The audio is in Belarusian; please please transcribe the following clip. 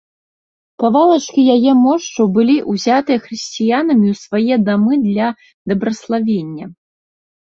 Кавалачкі яе мошчаў былі ўзятыя хрысціянамі ў свае дамы для дабраславення.